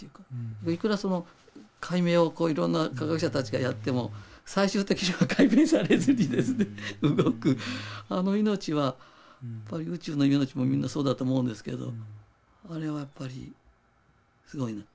でいくら解明をいろんな科学者たちがやっても最終的には解明されずに動くあの命は宇宙の命もみんなそうだと思うんですけどあれはやっぱりすごいなと。